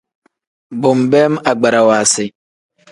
Bo nbeem agbarawa si.